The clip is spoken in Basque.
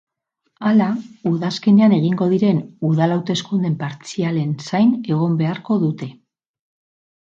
Hala, udazkenean egingo diren udal hauteskunde partzialen zain egon beharko dute.